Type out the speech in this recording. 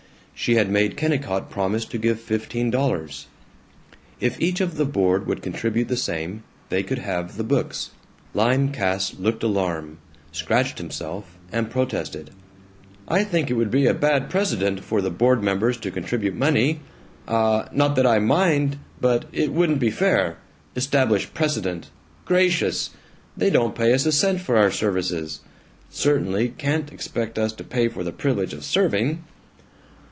She had made Kennicott promise to give fifteen dollars. If each of the board would contribute the same, they could have the books. Lym Cass looked alarmed, scratched himself, and protested, "I think it would be a bad precedent for the board members to contribute money uh not that I mind, but it wouldn't be fair establish precedent. Gracious! They don't pay us a cent for our services! Certainly can't expect us to pay for the privilege of serving!"